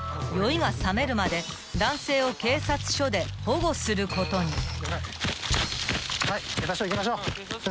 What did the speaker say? ［酔いがさめるまで男性を警察署で保護することに］